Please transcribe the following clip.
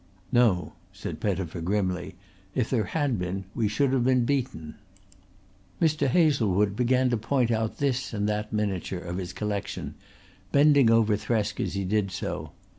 "No," said Pettifer grimly. "If there had been we should have been beaten." Mr. Hazlewood began to point out this and that miniature of his collection, bending over Thresk as he did so.